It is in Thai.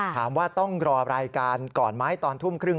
ถามว่าต้องรอรายการก่อนไหมตอนทุ่มครึ่ง